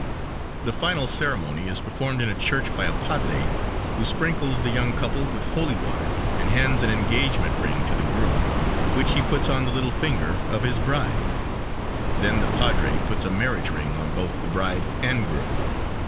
The final ceremony is performed in a church by a padre, who sprinkles the young couple with holy water and hands an engagement ring to the groom, which he puts on the little finger of his bride, then the padre puts a marriage ring on both the bride and groom.